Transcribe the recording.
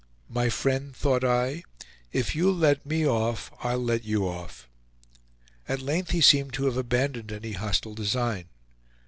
"My friend," thought I, "if you'll let me off, I'll let you off." At length he seemed to have abandoned any hostile design.